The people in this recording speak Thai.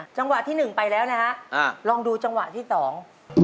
จังหวะที่หนึ่งไปแล้วนะฮะอ่าลองดูจังหวะที่สอง